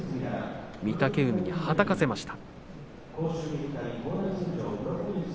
御嶽海にはたかせました。